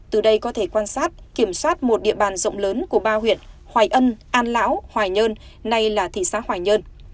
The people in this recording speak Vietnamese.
từ đây có thể quan sát kiểm soát một địa bàn rộng lớn của ba huyện hoài ân an lão hoài nhơn nay là thị xã hoài nhơn